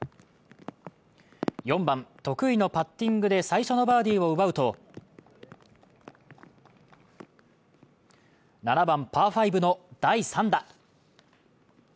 ４番・得意のパッティングで最初のバーディーを奪うと、７番パー５の第３打。